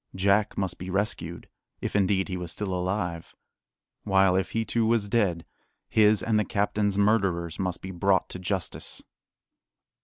Jack must be rescued, if indeed he was still alive; while, if he too was dead, his and the captain's murderers must be brought to justice.